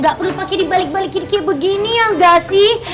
gak perlu pakai dibalik balikin kayak begini ya gak sih